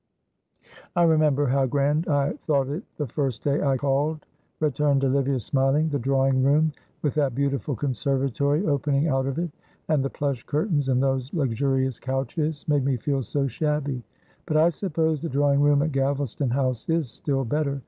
"I remember how grand I thought it the first day I called," returned Olivia, smiling. "The drawing room with that beautiful conservatory opening out of it, and the plush curtains, and those luxurious couches made me feel so shabby. But I suppose the drawing room at Galvaston House is still better.